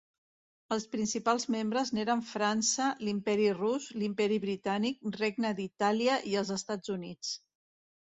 Els principals membres n'eren França, l'Imperi rus, l'Imperi britànic, Regne d'Itàlia i els Estats Units.